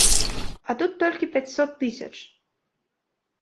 А тут толькі пяцьсот тысяч.